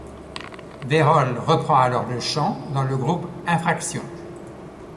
Vérole reprend alors le chant dans le groupe Infraktion.